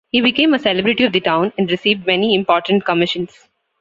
He became a celebrity of the town, and received many important commissions.